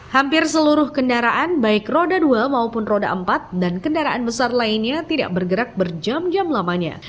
hampir seluruh kendaraan baik roda dua maupun roda empat dan kendaraan besar lainnya tidak bergerak berjam jam lamanya